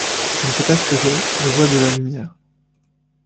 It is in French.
Je ne sais pas ce que j’ai, je vois de la lumière.